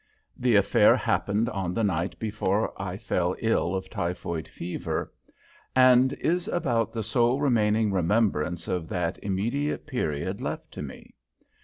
The affair happened on the night before I fell ill of typhoid fever, and is about the sole remaining remembrance of that immediate period left to me.